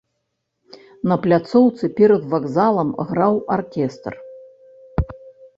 На пляцоўцы перад вакзалам граў аркестр.